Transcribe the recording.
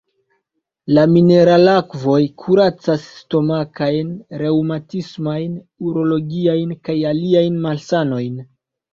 La mineralakvoj kuracas stomakajn, reŭmatismajn, urologiajn kaj aliajn malsanojn.